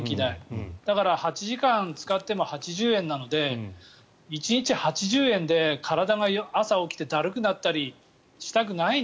だから８時間使っても８０円なので１日８０円で体が朝起きてだるくなったりしたくないな。